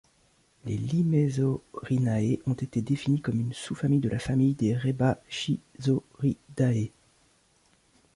Les Limaysaurinae ont été définis comme une sous-famille de la famille des Rebbachisauridae.